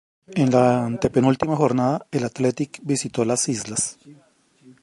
En la antepenúltima jornada, el Athletic visitó las islas.